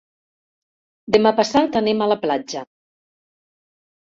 Demà passat anem a la platja.